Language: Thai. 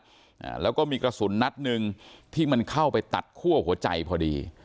อ่าแล้วก็มีกระสุนนัดหนึ่งที่มันเข้าไปตัดคั่วหัวใจพอดี